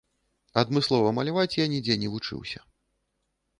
Адмыслова маляваць я нідзе не вучыўся.